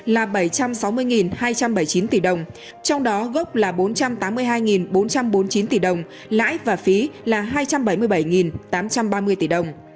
là bảy trăm sáu mươi hai trăm bảy mươi chín tỷ đồng trong đó gốc là bốn trăm tám mươi hai bốn trăm bốn mươi chín tỷ đồng lãi và phí là hai trăm bảy mươi bảy tám trăm ba mươi tỷ đồng